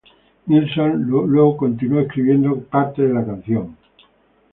Nilsson luego continuó escribiendo parte de la canción.